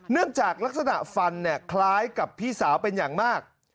เนื่องจากลักษณะฟันเนี่ยคล้ายกับพี่สาวเป็นอย่างมาก